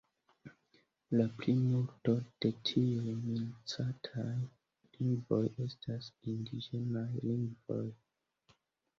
La plimulto de tiuj minacataj lingvoj estas indiĝenaj lingvoj.